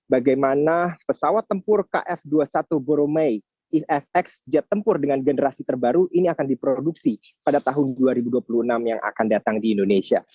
bagaimana pesawat tempur kf dua puluh satu boromey ifx jet tempur dengan generasi terbaru ini akan diproduksi pada tahun dua ribu dua puluh enam yang akan datang di indonesia